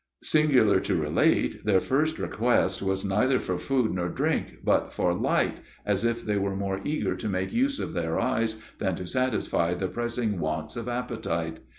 Singular to relate, their first request was neither for food nor drink, but for light, as if they were more eager to make use of their eyes, than to satisfy the pressing wants of appetite!